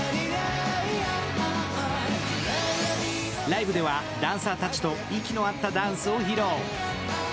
ライブではダンサーたちと息の合ったダンスを披露。